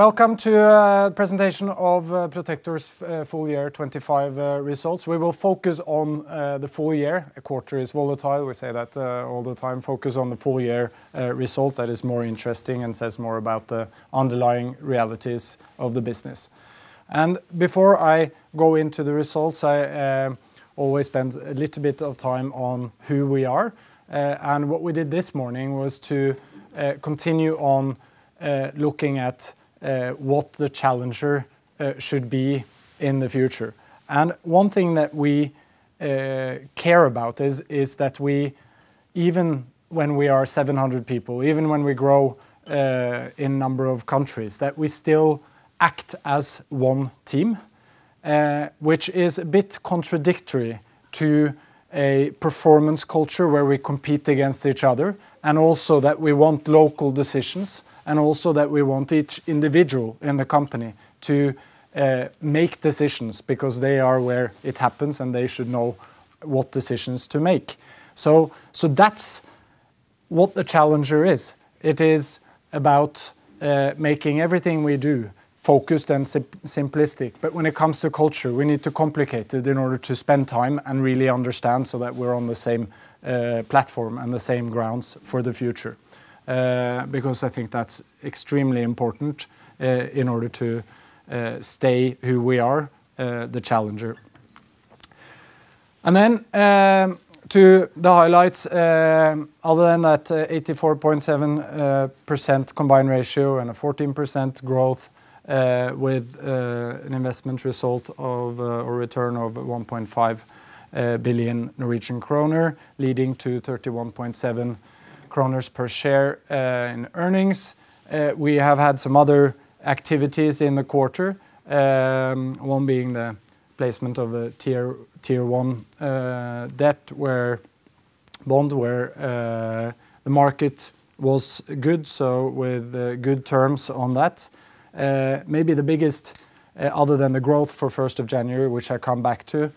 Welcome to the presentation of Protector Forsikring Full Year 2025 Results. We will focus on the full year. A quarter is volatile. We say that all the time. Focus on the full year result that is more interesting and says more about the underlying realities of the business. Before I go into the results, I always spend a little bit of time on who we are. What we did this morning was to continue on looking at what the challenger should be in the future. One thing that we care about is that we, even when we are 700 people, even when we grow in number of countries, that we still act as one team, which is a bit contradictory to a performance culture where we compete against each other. And also that we want local decisions, and also that we want each individual in the company to make decisions because they are where it happens and they should know what decisions to make. So that's what the challenger is. It is about making everything we do focused and simplistic. But when it comes to culture, we need to complicate it in order to spend time and really understand so that we're on the same platform and the same grounds for the future. Because I think that's extremely important in order to stay who we are, the challenger. And then to the highlights, other than that 84.7% combined ratio and a 14% growth with an investment result of a return of 1.5 billion Norwegian kroner, leading to 31.7 kroner per share in earnings. We have had some other activities in the quarter, one being the placement of a Tier 1 debt bond where the market was good, so with good terms on that. Maybe the biggest, other than the growth for 1st of January, which I come back to,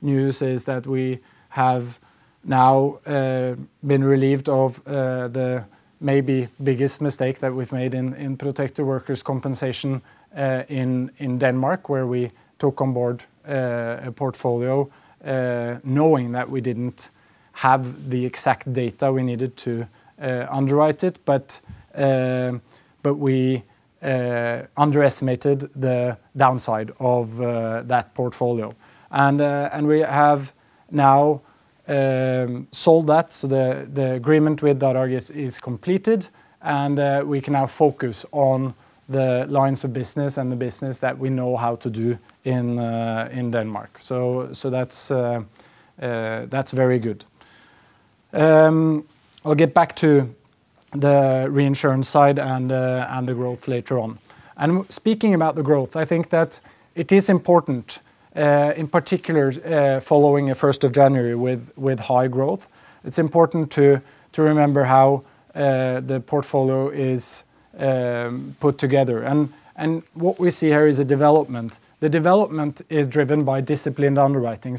news is that we have now been relieved of the maybe biggest mistake that we've made in Protector workers' compensation in Denmark, where we took on board a portfolio knowing that we didn't have the exact data we needed to underwrite it, but we underestimated the downside of that portfolio. And we have now sold that, so the agreement with DARAG is completed, and we can now focus on the lines of business and the business that we know how to do in Denmark. So that's very good. I'll get back to the reinsurance side and the growth later on. Speaking about the growth, I think that it is important, in particular following 1st of January with high growth, it's important to remember how the portfolio is put together. What we see here is a development. The development is driven by disciplined underwriting.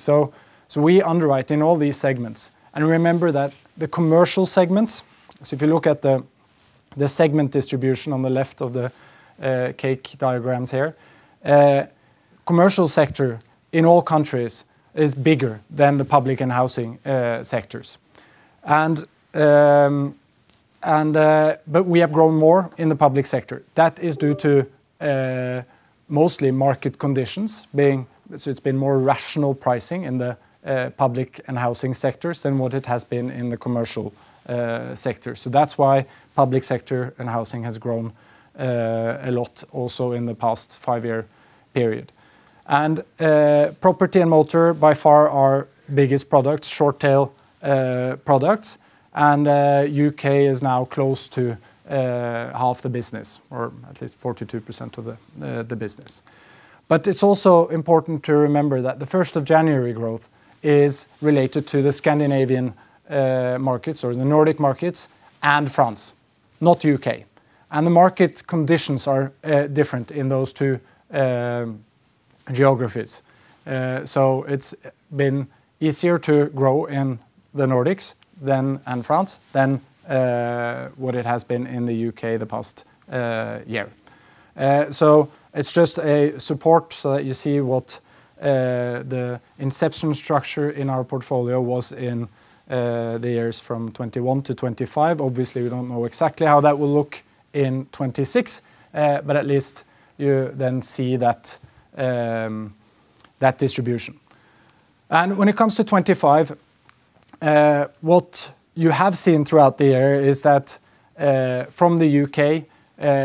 We underwrite in all these segments. Remember that the commercial segments, so if you look at the segment distribution on the left of the pie charts here, the commercial sector in all countries is bigger than the public and housing sectors. We have grown more in the public sector. That is due to mostly market conditions being, so it's been more rational pricing in the public and housing sectors than what it has been in the commercial sector. That's why public sector and housing has grown a lot also in the past five-year period. Property and motor by far our biggest products, short-tail products. The U.K. is now close to half the business, or at least 42% of the business. But it's also important to remember that the 1st of January growth is related to the Scandinavian markets or the Nordic markets and France, not the U.K. The market conditions are different in those two geographies. So it's been easier to grow in the Nordics and France than what it has been in the U.K. the past year. So it's just a support so that you see what the inception structure in our portfolio was in the years from 2021 to 2025. Obviously, we don't know exactly how that will look in 2026, but at least you then see that distribution. When it comes to 2025, what you have seen throughout the year is that from the U.K.,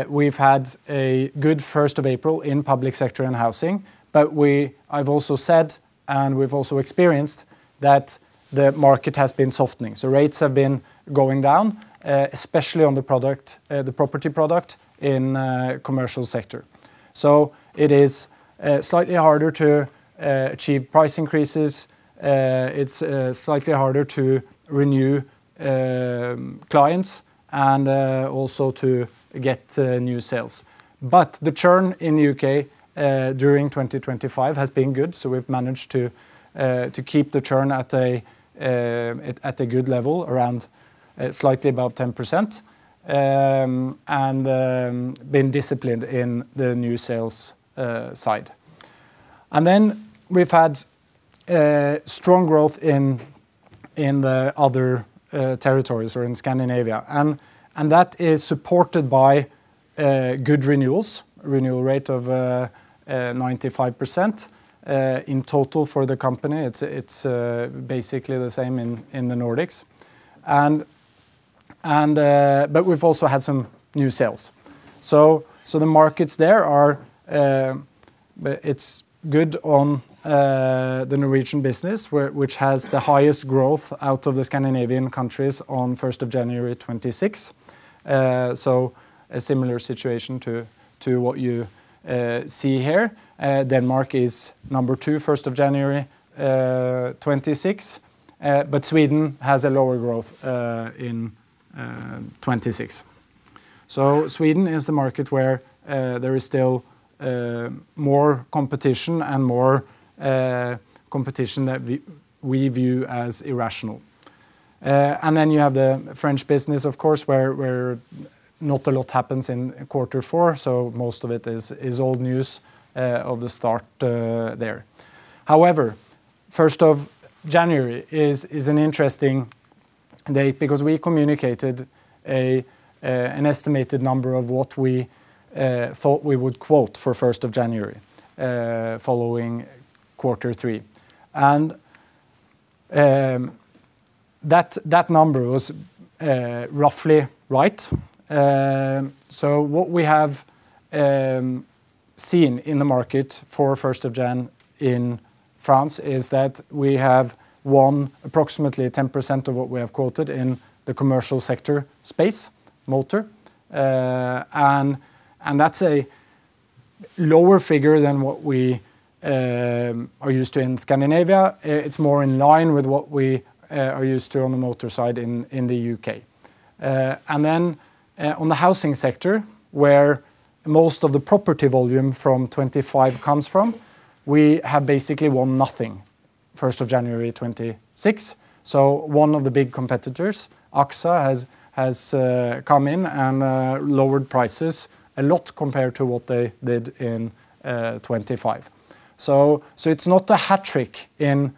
we've had a good 1st of April in Public Sector and Housing. I've also said, and we've also experienced that the market has been softening. Rates have been going down, especially on the Property product in the Commercial Sector. It is slightly harder to achieve price increases. It's slightly harder to renew clients and also to get new sales. The churn in the U.K. during 2025 has been good. We've managed to keep the churn at a good level, around slightly above 10%, and been disciplined in the new sales side. We've had strong growth in the other territories or in Scandinavia. That is supported by good renewals, renewal rate of 95% in total for the company. It's basically the same in the Nordics. But we've also had some new sales. So the markets there are, it's good on the Norwegian business, which has the highest growth out of the Scandinavian countries on 1st of January 2026. So a similar situation to what you see here. Denmark is number 2 on 1st of January 2026. But Sweden has a lower growth in 2026. So Sweden is the market where there is still more competition and more competition that we view as irrational. And then you have the French business, of course, where not a lot happens in quarter four. So most of it is old news of the start there. However, 1st of January is an interesting date because we communicated an estimated number of what we thought we would quote for 1st of January following quarter three. And that number was roughly right. So what we have seen in the market for 1st of January in France is that we have won approximately 10% of what we have quoted in the commercial sector space, motor. And that's a lower figure than what we are used to in Scandinavia. It's more in line with what we are used to on the motor side in the U.K. And then on the housing sector, where most of the property volume from 2025 comes from, we have basically won nothing 1st of January 2026. So one of the big competitors, AXA, has come in and lowered prices a lot compared to what they did in 2025. So it's not a hat trick in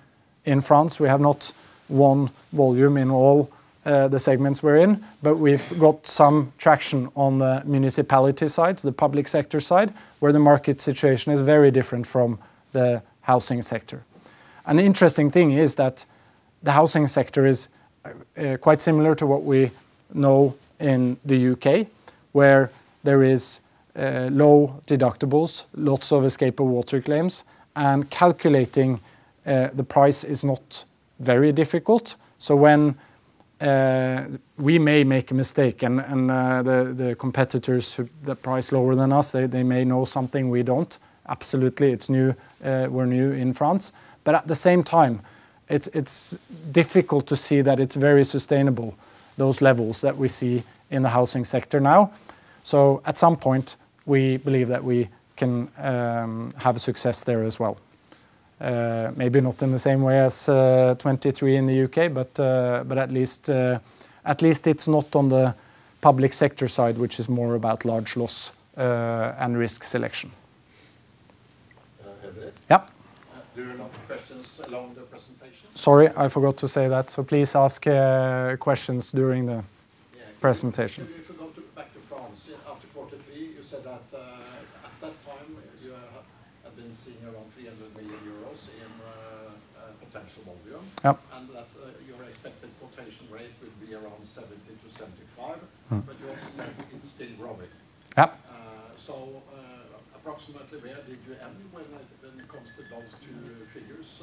France. We have not won volume in all the segments we're in, but we've got some traction on the municipality side, the Public Sector side, where the market situation is very different from the Housing sector. The interesting thing is that the Housing sector is quite similar to what we know in the U.K., where there are low deductibles, lots of escape of water claims, and calculating the price is not very difficult. When we may make a mistake and the competitors that price lower than us, they may know something we don't. Absolutely, we're new in France. At the same time, it's difficult to see that it's very sustainable, those levels that we see in the Housing sector now. At some point, we believe that we can have success there as well. Maybe not in the same way as 23 in the U.K, but at least it's not on the Public Sector side, which is more about Large Loss and risk selection. Yeah. There are a lot of questions along the presentation. Sorry, I forgot to say that. Please ask questions during the presentation. If you go back to France after quarter three, you said that at that time you had been seeing around EUR 300 million in potential volume. And that your expected quotation rate would be around 70-75. But you also said it's still growing. So approximately where did you end when it comes to those two figures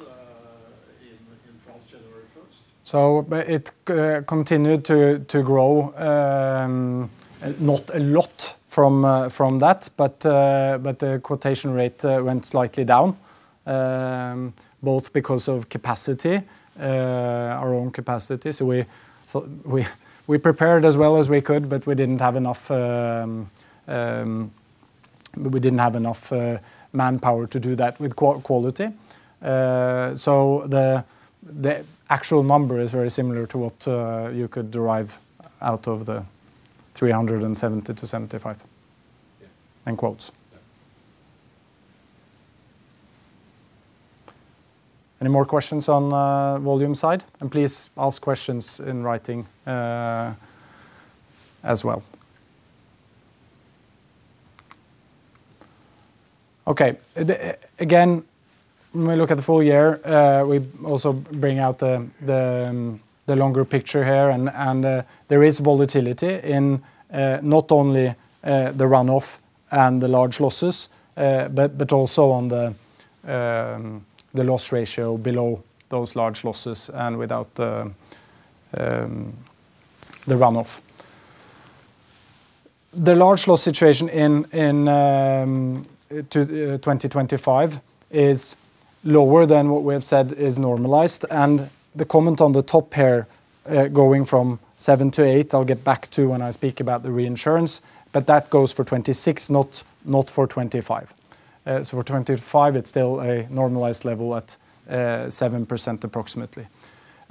in France January 1st? So it continued to grow, not a lot from that, but the quotation rate went slightly down, both because of capacity, our own capacity. So we prepared as well as we could, but we didn't have enough manpower to do that with quality. So the actual number is very similar to what you could derive out of the 370, 75 in quotes. Any more questions on the volume side? And please ask questions in writing as well. Okay. Again, when we look at the full year, we also bring out the longer picture here. And there is volatility in not only the runoff and the large losses, but also on the loss ratio below those large losses and without the runoff. The large loss situation in 2025 is lower than what we have said is normalized. The comment on the top pair going from 7 to 8, I'll get back to when I speak about the reinsurance, but that goes for 2026, not for 2025. So for 2025, it's still a normalized level at 7% approximately.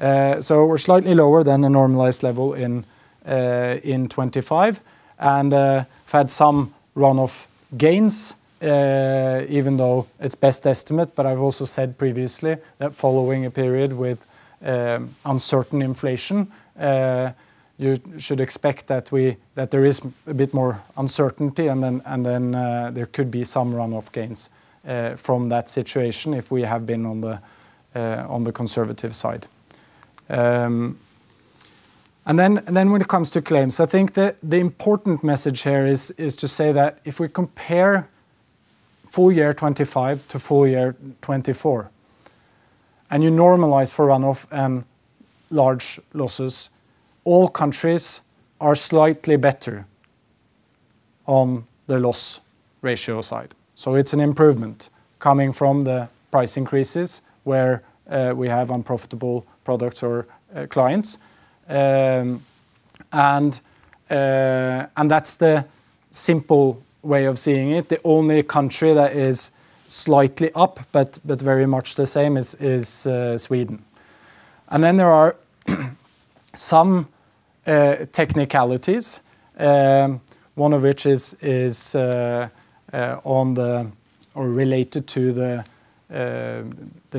So we're slightly lower than a normalized level in 2025. We've had some runoff gains, even though it's best estimate. But I've also said previously that following a period with uncertain inflation, you should expect that there is a bit more uncertainty and then there could be some runoff gains from that situation if we have been on the conservative side. Then when it comes to claims, I think the important message here is to say that if we compare full year 2025 to full year 2024, and you normalize for runoff and large losses, all countries are slightly better on the loss ratio side. So it's an improvement coming from the price increases where we have unprofitable products or clients. And that's the simple way of seeing it. The only country that is slightly up, but very much the same, is Sweden. And then there are some technicalities, one of which is related to the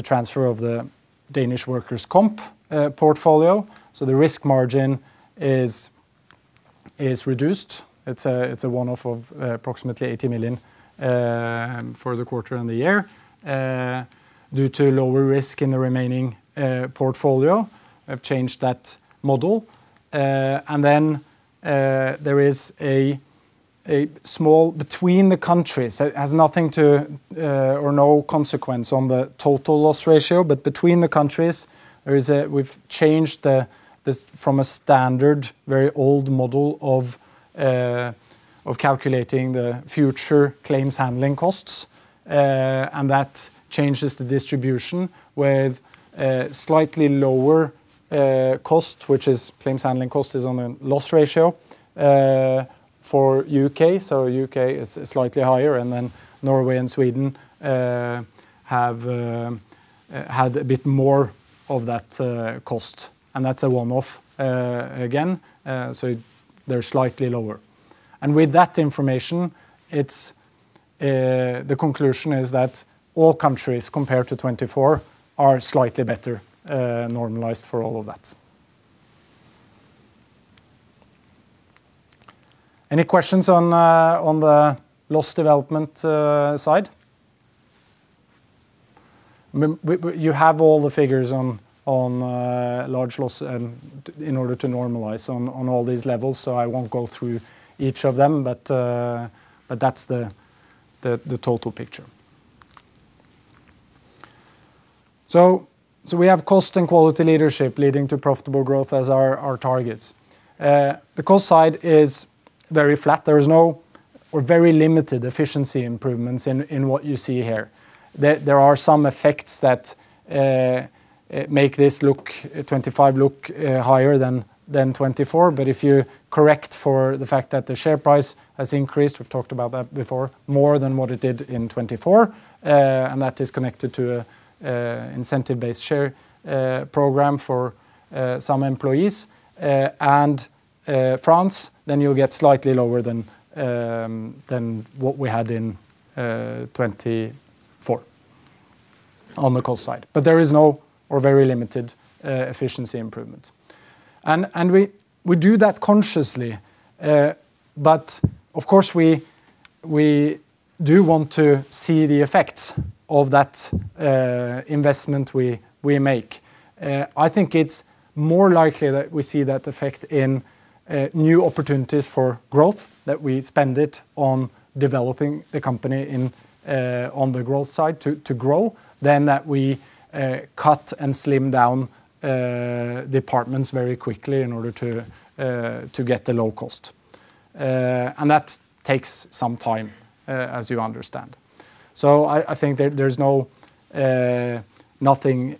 transfer of the Danish workers' comp portfolio. So the risk margin is reduced. It's a one-off of approximately 80 million for the quarter and the year due to lower risk in the remaining portfolio. I've changed that model. And then there is a small between the countries. It has nothing to or no consequence on the total loss ratio, but between the countries, we've changed from a standard, very old model of calculating the future claims handling costs. And that changes the distribution with slightly lower cost, which is claims handling cost is on the loss ratio for U.K. So U.K. is slightly higher. And then Norway and Sweden have had a bit more of that cost. And that's a one-off again. So they're slightly lower. And with that information, the conclusion is that all countries compared to 2024 are slightly better normalized for all of that. Any questions on the loss development side? You have all the figures on large loss in order to normalize on all these levels. So I won't go through each of them, but that's the total picture. So we have cost and quality leadership leading to profitable growth as our targets. The cost side is very flat. There is no or very limited efficiency improvements in what you see here. There are some effects that make this 2025 look higher than 2024. But if you correct for the fact that the share price has increased, we've talked about that before, more than what it did in 2024. That is connected to an incentive-based share program for some employees. In France, then you'll get slightly lower than what we had in 2024 on the cost side. There is no or very limited efficiency improvement. We do that consciously. Of course, we do want to see the effects of that investment we make. I think it's more likely that we see that effect in new opportunities for growth, that we spend it on developing the company on the growth side to grow, than that we cut and slim down departments very quickly in order to get the low cost. That takes some time, as you understand. So I think there's nothing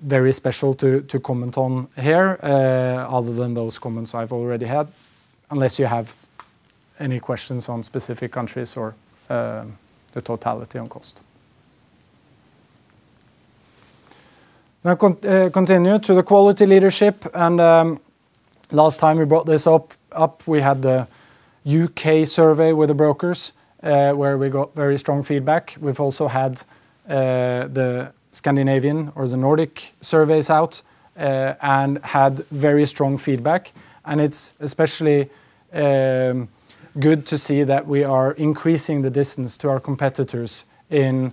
very special to comment on here other than those comments I've already had, unless you have any questions on specific countries or the totality on cost. Now continue to the quality leadership. Last time we brought this up, we had the U.K. survey with the brokers, where we got very strong feedback. We've also had the Scandinavian or the Nordic surveys out and had very strong feedback. It's especially good to see that we are increasing the distance to our competitors in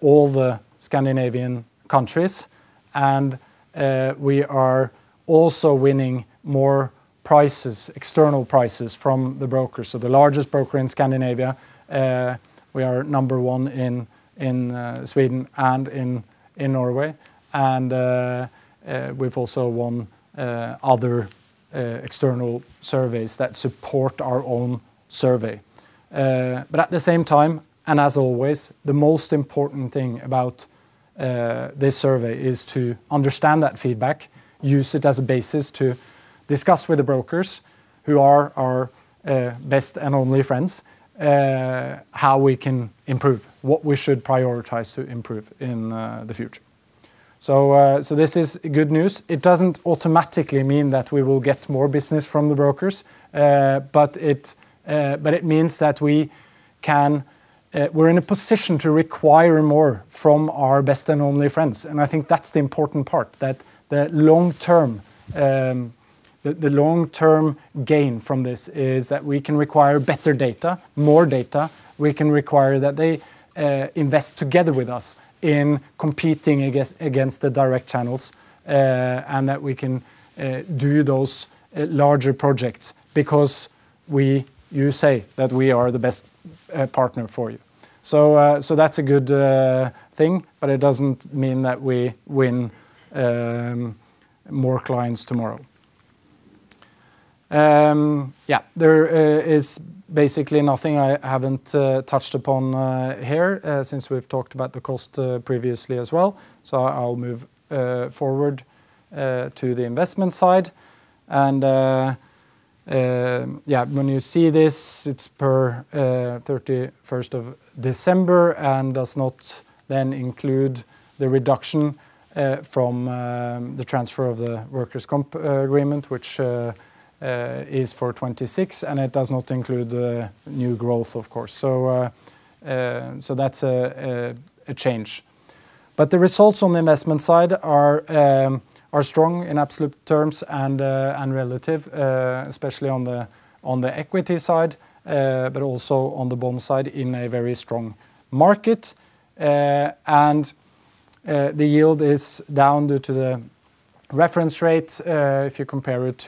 all the Scandinavian countries. We are also winning more prizes, external prizes from the brokers. So the largest broker in Scandinavia, we are number one in Sweden and in Norway. We've also won other external surveys that support our own survey. But at the same time, and as always, the most important thing about this survey is to understand that feedback, use it as a basis to discuss with the brokers who are our best and only friends, how we can improve, what we should prioritize to improve in the future. So this is good news. It doesn't automatically mean that we will get more business from the brokers, but it means that we're in a position to require more from our best and only friends. And I think that's the important part, that the long-term gain from this is that we can require better data, more data. We can require that they invest together with us in competing against the direct channels and that we can do those larger projects because you say that we are the best partner for you. So that's a good thing, but it doesn't mean that we win more clients tomorrow. Yeah, there is basically nothing I haven't touched upon here since we've talked about the cost previously as well. So I'll move forward to the investment side. And yeah, when you see this, it's per 31st of December and does not then include the reduction from the transfer of the workers' comp agreement, which is for 2026. And it does not include the new growth, of course. So that's a change. But the results on the investment side are strong in absolute terms and relative, especially on the equity side, but also on the bond side in a very strong market. And the yield is down due to the reference rate if you compare it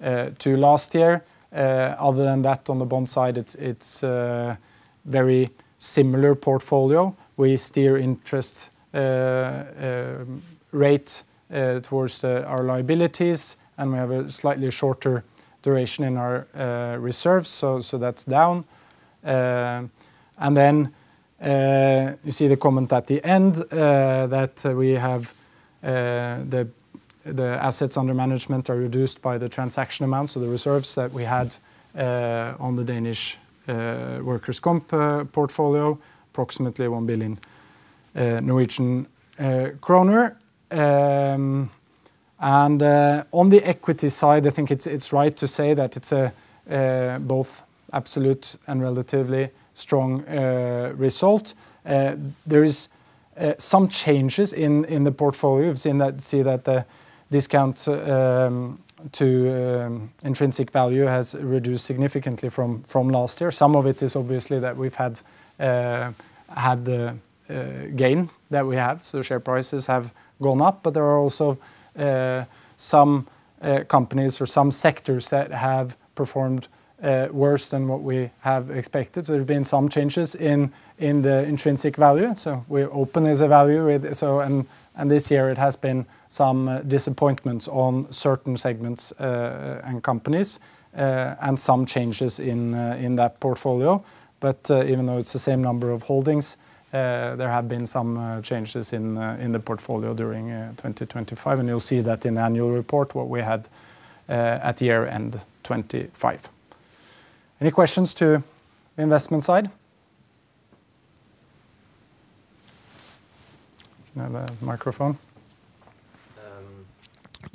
to last year. Other than that, on the bond side, it's a very similar portfolio. We steer interest rate towards our liabilities, and we have a slightly shorter duration in our reserves. So that's down. And then you see the comment at the end that we have the assets under management are reduced by the transaction amount. So the reserves that we had on the Danish workers' comp portfolio, approximately NOK 1 billion. And on the equity side, I think it's right to say that it's both absolute and relatively strong result. There are some changes in the portfolio. You've seen that discount to intrinsic value has reduced significantly from last year. Some of it is obviously that we've had the gain that we have. So share prices have gone up, but there are also some companies or some sectors that have performed worse than what we have expected. So there have been some changes in the intrinsic value. We're open as a value. This year, it has been some disappointments on certain segments and companies and some changes in that portfolio. Even though it's the same number of holdings, there have been some changes in the portfolio during 2025. You'll see that in the annual report, what we had at year-end 2025. Any questions to the investment side? You can have a microphone.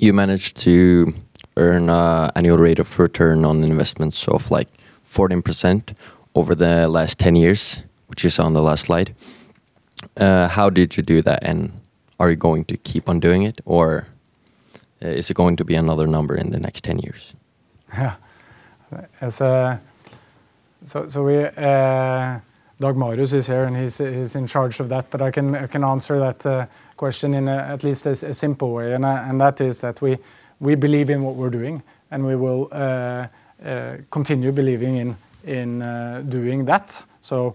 You managed to earn an annual rate of return on investments of like 14% over the last 10 years, which is on the last slide. How did you do that? And are you going to keep on doing it, or is it going to be another number in the next 10 years? Yeah. So Dag Marius is here, and he's in charge of that. But I can answer that question in at least a simple way. And that is that we believe in what we're doing, and we will continue believing in doing that. So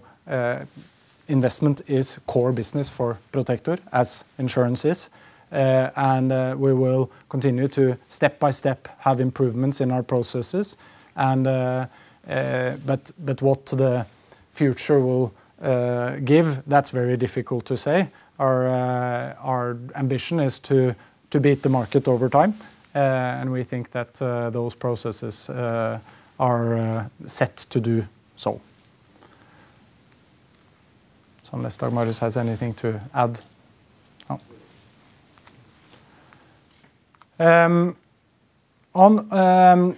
investment is core business for Protector insurance. And we will continue to step by step have improvements in our processes. But what the future will give, that's very difficult to say. Our ambition is to beat the market over time. And we think that those processes are set to do so. So unless Dag Marius has anything to add. On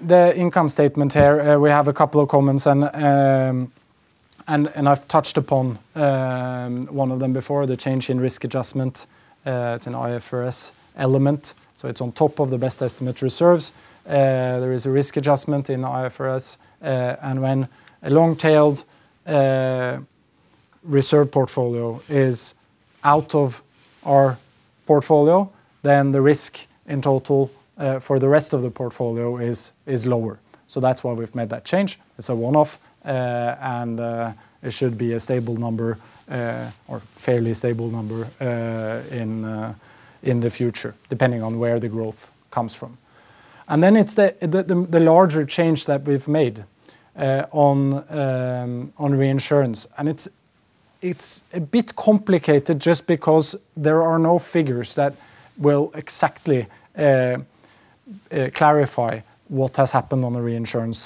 the income statement here, we have a couple of comments. And I've touched upon one of them before, the change in risk adjustment. It's an IFRS element. So it's on top of the best estimate reserves. There is a risk adjustment in IFRS. When a long-tailed reserve portfolio is out of our portfolio, then the risk in total for the rest of the portfolio is lower. That's why we've made that change. It's a one-off, and it should be a stable number or fairly stable number in the future, depending on where the growth comes from. Then it's the larger change that we've made on reinsurance. It's a bit complicated just because there are no figures that will exactly clarify what has happened on the reinsurance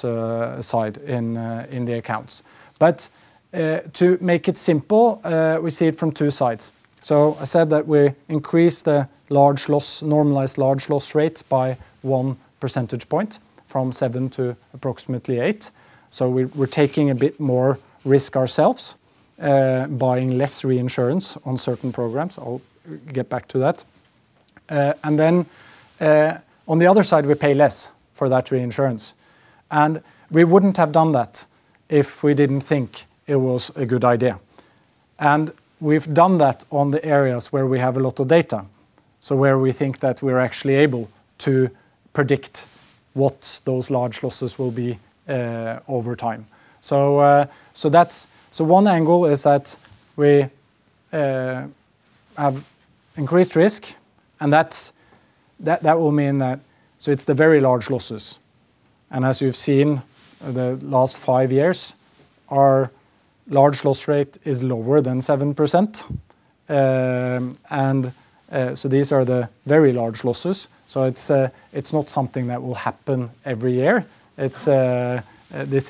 side in the accounts. But to make it simple, we see it from two sides. So I said that we increased the large loss, normalized large loss rate by one percentage point from 7% to approximately 8%. So we're taking a bit more risk ourselves, buying less reinsurance on certain programs. I'll get back to that. And then on the other side, we pay less for that reinsurance. And we wouldn't have done that if we didn't think it was a good idea. And we've done that on the areas where we have a lot of data, so where we think that we're actually able to predict what those large losses will be over time. So one angle is that we have increased risk, and that will mean that it's the very large losses. And as you've seen the last five years, our large loss rate is lower than 7%. And so these are the very large losses. So it's not something that will happen every year. This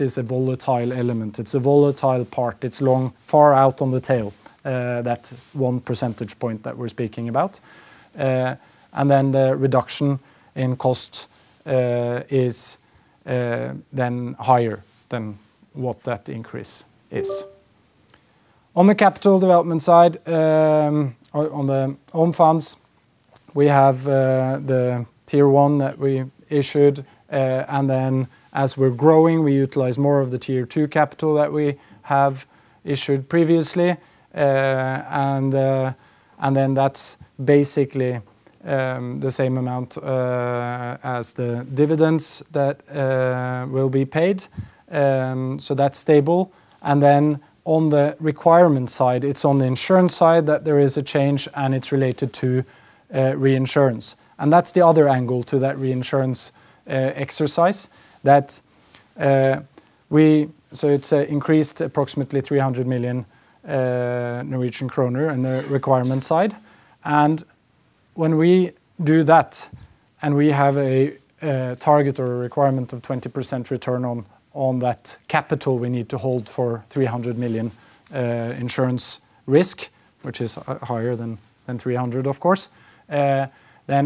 is a volatile element. It's a volatile part. It's far out on the tail, that one percentage point that we're speaking about. And then the reduction in costs is then higher than what that increase is. On the capital development side, on the own funds, we have the Tier 1 that we issued. And then as we're growing, we utilize more of the Tier 2 capital that we have issued previously. And then that's basically the same amount as the dividends that will be paid. So that's stable. And then on the requirement side, it's on the insurance side that there is a change, and it's related to reinsurance. And that's the other angle to that reinsurance exercise. So it's increased approximately 300 million Norwegian kroner on the requirement side. And when we do that and we have a target or a requirement of 20% return on that capital we need to hold for 300 million insurance risk, which is higher than 300, of course, then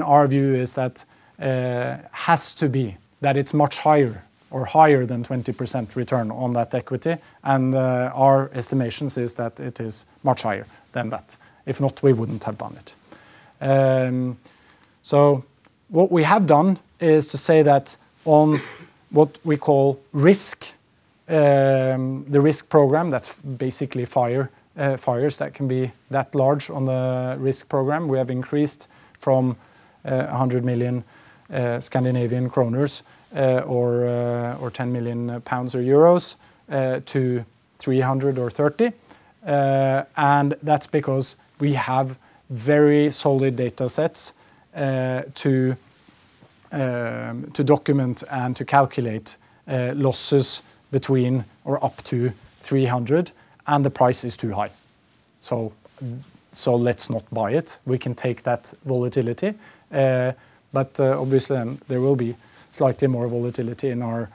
our view is that it has to be that it's much higher or higher than 20% return on that equity. Our estimation is that it is much higher than that. If not, we wouldn't have done it. So what we have done is to say that on what we call the risk program, that's basically fires that can be that large on the risk program, we have increased from 100 million kroner or 10 million pounds or EUR 10 million to NOK 300 million or 30 million or EUR 30 million. And that's because we have very solid data sets to document and to calculate losses between or up to 300, and the price is too high. So let's not buy it. We can take that volatility. But obviously, there will be slightly more volatility in our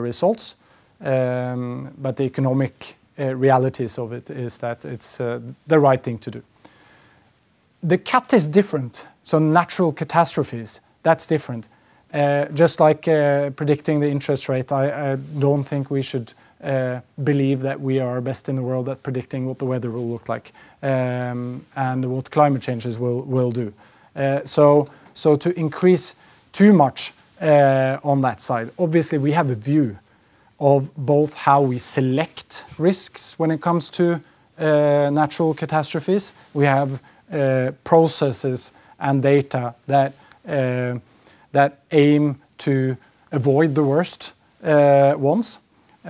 results. But the economic realities of it is that it's the right thing to do. The cat is different. So natural catastrophes, that's different. Just like predicting the interest rate, I don't think we should believe that we are best in the world at predicting what the weather will look like and what climate changes will do. So to increase too much on that side, obviously, we have a view of both how we select risks when it comes to natural catastrophes. We have processes and data that aim to avoid the worst ones,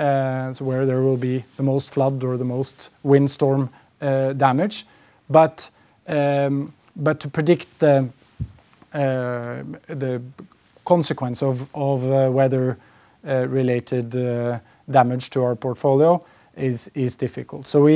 where there will be the most flood or the most windstorm damage. But to predict the consequence of weather-related damage to our portfolio is difficult. So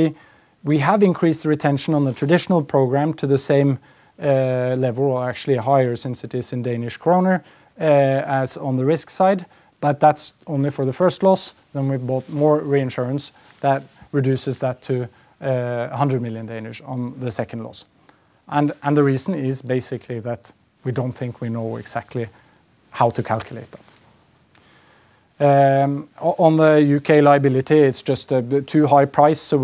we have increased retention on the traditional program to the same level, or actually higher, since it is in Danish kroner as on the risk side. But that's only for the first loss. Then we've bought more reinsurance that reduces that to 100 million on the second loss. The reason is basically that we don't think we know exactly how to calculate that. On the U.K. liability, it's just too high price. So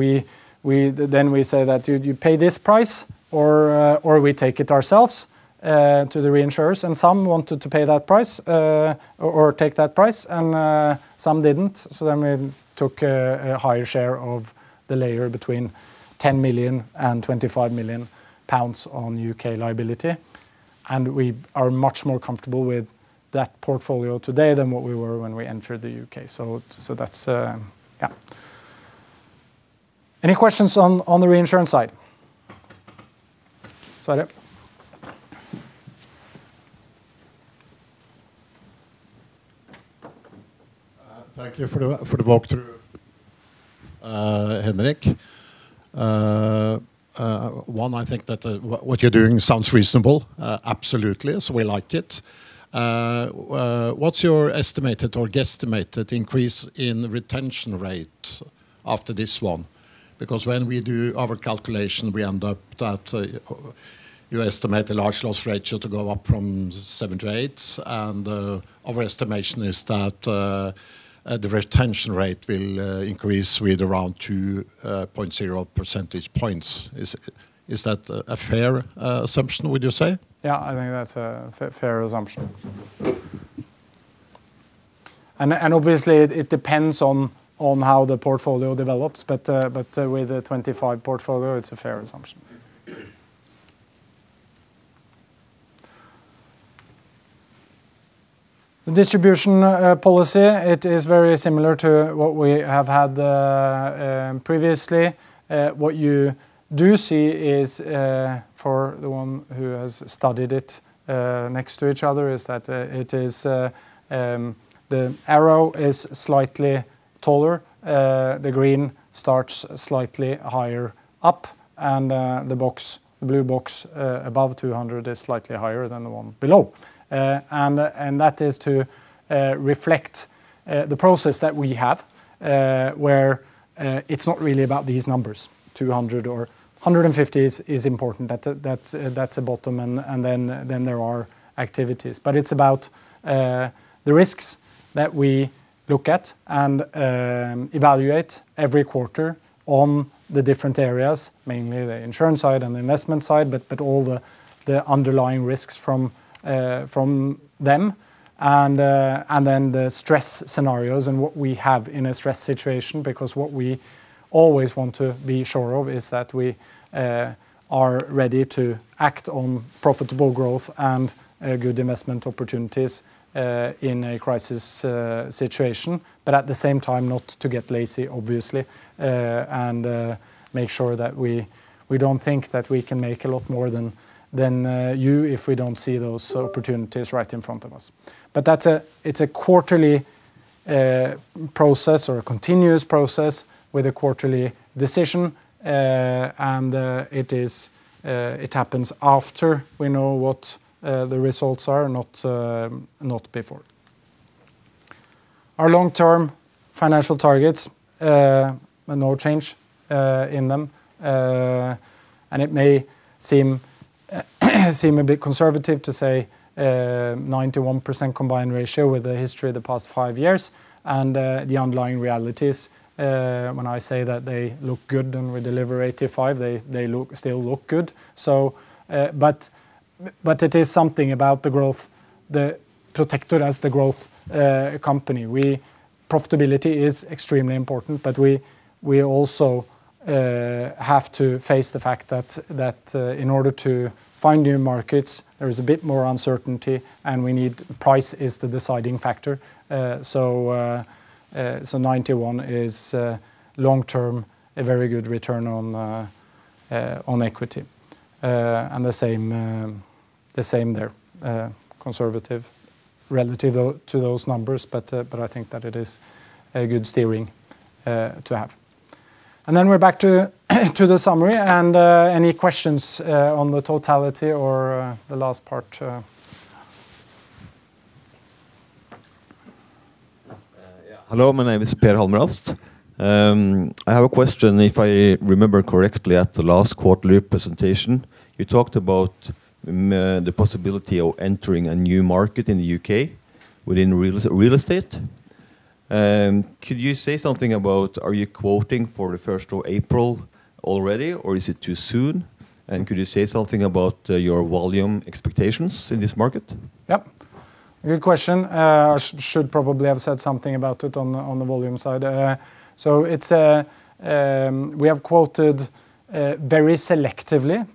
then we say that you pay this price, or we take it ourselves to the reinsurers. And some wanted to pay that price or take that price, and some didn't. So then we took a higher share of the layer between 10 million and 25 million pounds on U.K. liability. And we are much more comfortable with that portfolio today than what we were when we entered the U.K. So that's yeah. Any questions on the reinsurance side? Schwarzenberg. Thank you for the walkthrough, Henrik. One, I think that what you're doing sounds reasonable. Absolutely. So we like it. What's your estimated or guesstimated increase in retention rate after this one? Because when we do our calculation, we end up that you estimate the large loss ratio to go up from 7 to 8. And our estimation is that the retention rate will increase with around 2.0 percentage points. Is that a fair assumption, would you say? Yeah, I think that's a fair assumption. Obviously, it depends on how the portfolio develops. But with a 25 portfolio, it's a fair assumption. The distribution policy, it is very similar to what we have had previously. What you do see is, for the one who has studied it next to each other, is that the arrow is slightly taller. The green starts slightly higher up, and the blue box above 200 is slightly higher than the one below. And that is to reflect the process that we have, where it's not really about these numbers. 200 or 150 is important. That's a bottom. And then there are activities. But it's about the risks that we look at and evaluate every quarter on the different areas, mainly the insurance side and the investment side, but all the underlying risks from them. And then the stress scenarios and what we have in a stress situation, because what we always want to be sure of is that we are ready to act on profitable growth and good investment opportunities in a crisis situation, but at the same time, not to get lazy, obviously, and make sure that we don't think that we can make a lot more than you if we don't see those opportunities right in front of us. But it's a quarterly process or a continuous process with a quarterly decision. And it happens after we know what the results are, not before. Our long-term financial targets, no change in them. And it may seem a bit conservative to say 91% combined ratio with the history of the past five years and the underlying realities. When I say that they look good and we deliver 85, they still look good. It is something about the growth. Protector has the growth company. Profitability is extremely important, but we also have to face the fact that in order to find new markets, there is a bit more uncertainty, and price is the deciding factor. 91 is long-term a very good return on equity. The same there, conservative relative to those numbers, but I think that it is a good steering to have. Then we're back to the summary. Any questions on the totality or the last part? Hello, my name is Per Halmer Alst. I have a question. If I remember correctly, at the last quarterly presentation, you talked about the possibility of entering a new market in the U.K. within real estate. Could you say something about are you quoting for the first of April already, or is it too soon? And could you say something about your volume expectations in this market? Yep. Good question. I should probably have said something about it on the volume side. So we have quoted very selectively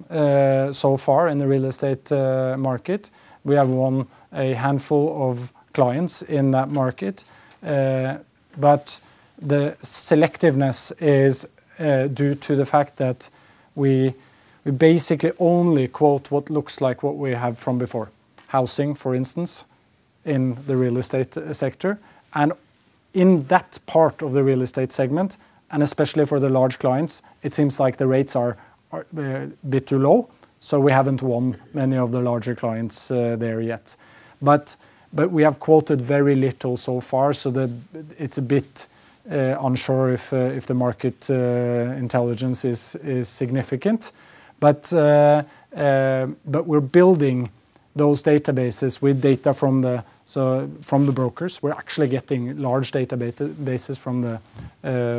so far in the real estate market. We have won a handful of clients in that market. But the selectiveness is due to the fact that we basically only quote what looks like what we have from before, housing, for instance, in the real estate sector. And in that part of the real estate segment, and especially for the large clients, it seems like the rates are a bit too low. So we haven't won many of the larger clients there yet. But we have quoted very little so far, so it's a bit unsure if the market intelligence is significant. But we're building those databases with data from the brokers. We're actually getting large databases from the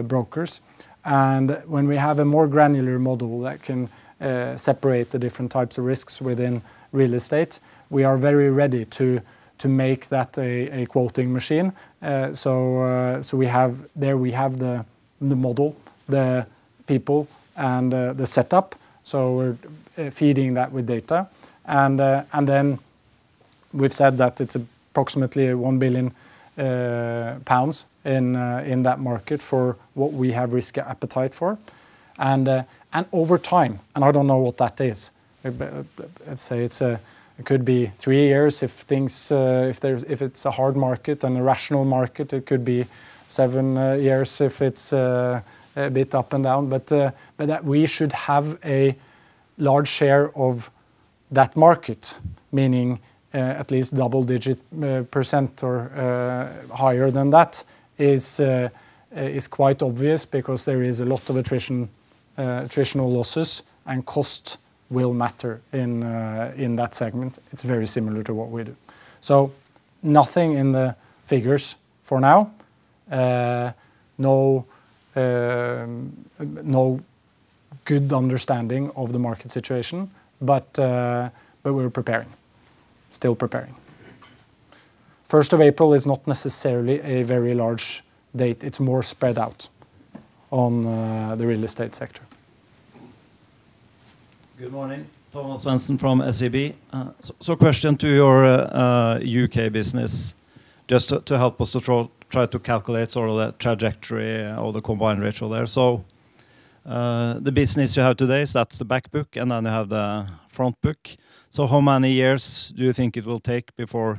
brokers. When we have a more granular model that can separate the different types of risks within real estate, we are very ready to make that a quoting machine. There we have the model, the people, and the setup. We're feeding that with data. Then we've said that it's approximately 1 billion pounds in that market for what we have risk appetite for. Over time, and I don't know what that is, let's say it could be three years if it's a hard market and a rational market, it could be seven years if it's a bit up and down. But we should have a large share of that market, meaning at least double-digit % or higher than that is quite obvious because there is a lot of attritional losses, and cost will matter in that segment. It's very similar to what we do. Nothing in the figures for now, no good understanding of the market situation, but we're preparing, still preparing. 1st of April is not necessarily a very large date. It's more spread out on the real estate sector. Good morning. Thomas Svensson from SEB. So a question to your U.K. business, just to help us to try to calculate sort of that trajectory or the combined ratio there. So the business you have today, that's the backbook, and then you have the frontbook. So how many years do you think it will take before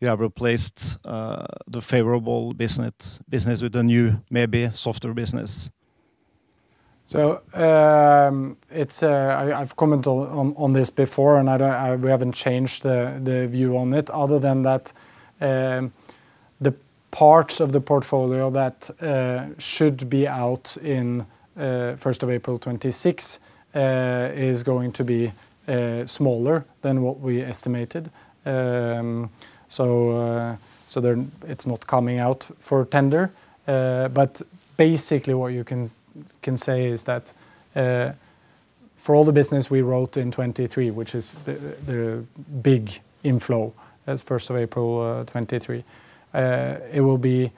you have replaced the favorable business with a new, maybe softer business? So I've commented on this before, and we haven't changed the view on it. Other than that, the parts of the portfolio that should be out in 1st of April 2026 is going to be smaller than what we estimated. So it's not coming out for tender. But basically, what you can say is that for all the business we wrote in 2023, which is the big inflow as 1st of April 2023, it will be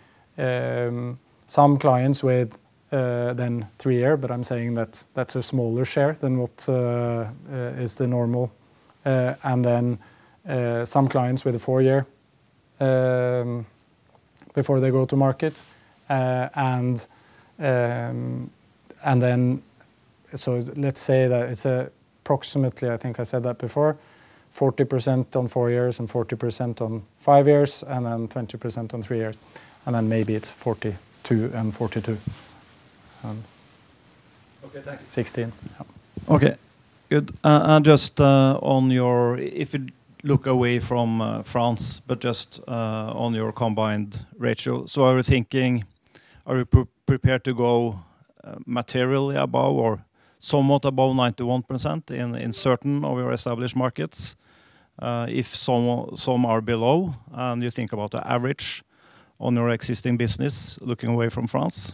some clients with then three-year, but I'm saying that that's a smaller share than what is the normal. And then some clients with a four-year before they go to market. And then so let's say that it's approximately, I think I said that before, 40% on four years and 40% on five years, and then 20% on three years. And then maybe it's 42 and 42. Okay, thank you. 16. Okay, good. And just on your, if you look away from France, but just on your combined ratio, so are you thinking, are you prepared to go materially above or somewhat above 91% in certain of your established markets? If some are below, and you think about the average on your existing business looking away from France?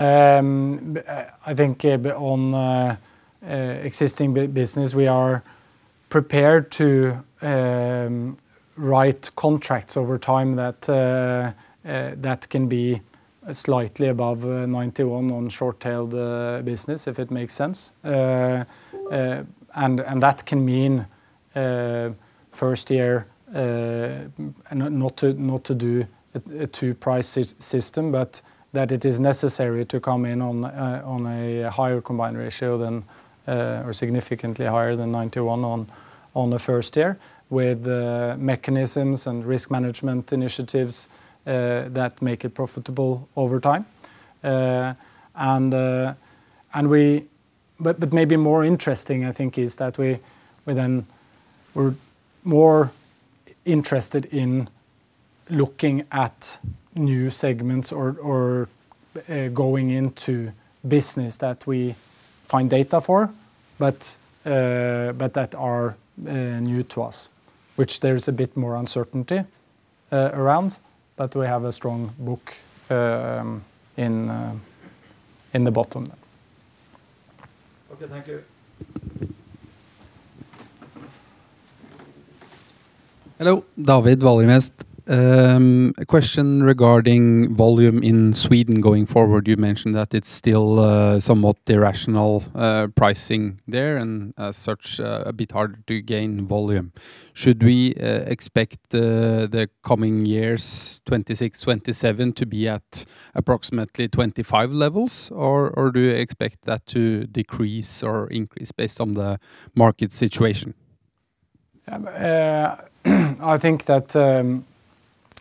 I think on existing business, we are prepared to write contracts over time that can be slightly above 91 on short-tailed business, if it makes sense. And that can mean first year not to do a two-price system, but that it is necessary to come in on a higher combined ratio than or significantly higher than 91 on the first year with mechanisms and risk management initiatives that make it profitable over time. But maybe more interesting, I think, is that we then were more interested in looking at new segments or going into business that we find data for, but that are new to us, which there's a bit more uncertainty around, but we have a strong book in the bottom. Okay, thank you. Hello, David Valderhaug. A question regarding volume in Sweden going forward. You mentioned that it's still somewhat irrational pricing there, and as such, a bit harder to gain volume. Should we expect the coming years, 2026, 2027, to be at approximately 25 levels, or do you expect that to decrease or increase based on the market situation? I think that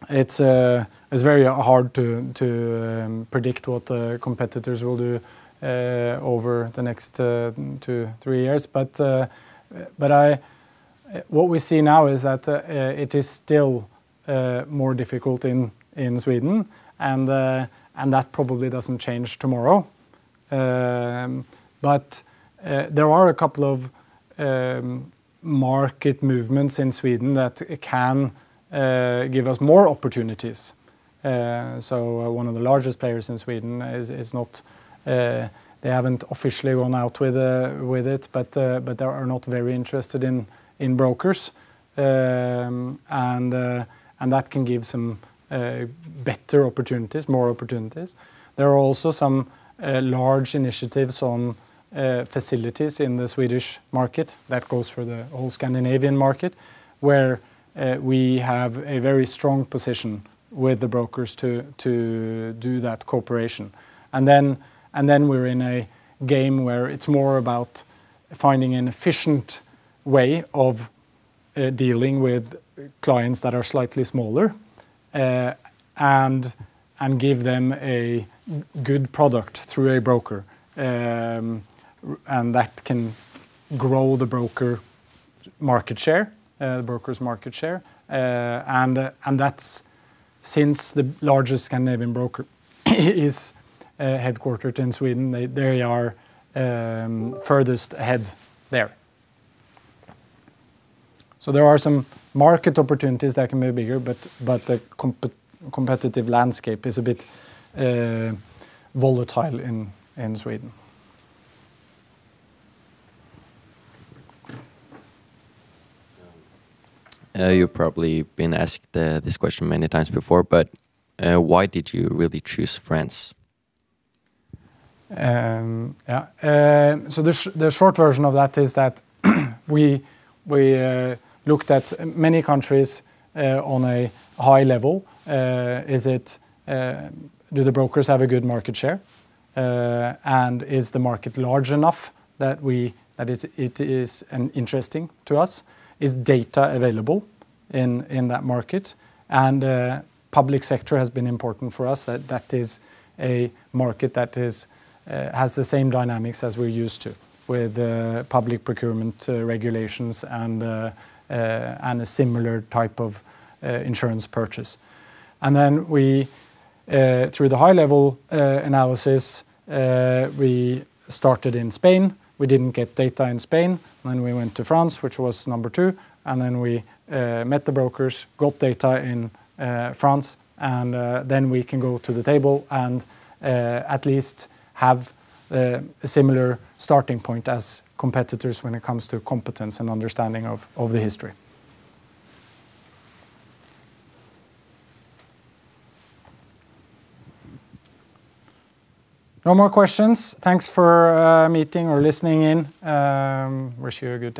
it's very hard to predict what the competitors will do over the next 2-3 years. But what we see now is that it is still more difficult in Sweden, and that probably doesn't change tomorrow. But there are a couple of market movements in Sweden that can give us more opportunities. So one of the largest players in Sweden is not, they haven't officially gone out with it, but they are not very interested in brokers. And that can give some better opportunities, more opportunities. There are also some large initiatives on facilities in the Swedish market that goes for the whole Scandinavian market, where we have a very strong position with the brokers to do that cooperation. And then we're in a game where it's more about finding an efficient way of dealing with clients that are slightly smaller and give them a good product through a broker. And that can grow the broker market share, the broker's market share. And that's since the largest Scandinavian broker is headquartered in Sweden, they are furthest ahead there. So there are some market opportunities that can be bigger, but the competitive landscape is a bit volatile in Sweden. You've probably been asked this question many times before, but why did you really choose France? Yeah. So the short version of that is that we looked at many countries on a high level. Do the brokers have a good market share? And is the market large enough that it is interesting to us? Is data available in that market? And public sector has been important for us. That is a market that has the same dynamics as we're used to with public procurement regulations and a similar type of insurance purchase. And then we, through the high-level analysis, we started in Spain. We didn't get data in Spain. Then we went to France, which was number two. And then we met the brokers, got data in France. And then we can go to the table and at least have a similar starting point as competitors when it comes to competence and understanding of the history. No more questions. Thanks for meeting or listening in. Wish you a good.